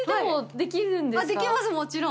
できます、もちろん。